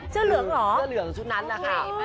เจ้าเหลืองชุดนั้นแหละค่ะ